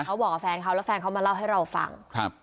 เขาบอกกับแฟนเขาแล้วแฟนเขามาเล่าให้เราฟังครับ